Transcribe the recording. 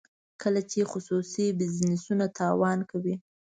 کله چې خصوصي بزنسونه تاوان کوي.